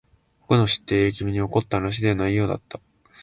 僕の知っている君に起こった話ではないようだった。